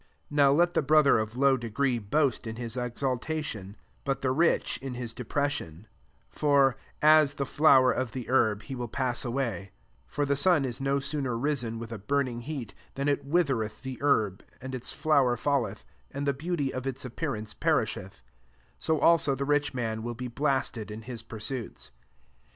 9 Now let the brother of low legree boast in his exaltation ; 10 but the rich, in his de« >ression : for a9 the flower of the herb he will pass away* 1 J For the sun is no sooner ris en with a buijiing heat, than it withereth the herb, and its flow er falleth, and the beauty of its appearance perisheth : so also the rich man will be blasted in his pursuits.